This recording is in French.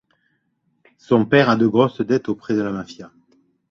Son père a de grosses dettes auprès de la mafia.